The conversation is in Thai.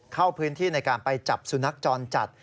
เข้าพื้นที่ในการไปจับสุนัขจรจัด